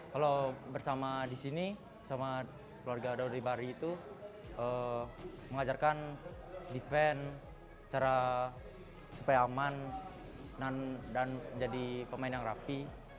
kalau bersama di sini sama keluarga dari bari itu mengajarkan defense cara supaya aman dan jadi pemain yang rapi